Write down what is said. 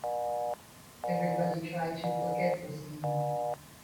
Everybody tried to forget the scene.